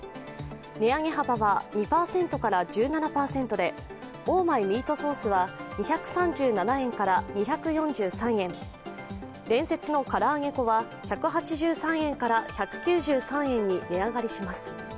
値上げ幅は２％から１７％でオーマイミートソースは２３７円から２４３円、伝説のから揚げ粉は１８３円から１９３円に値上がりします。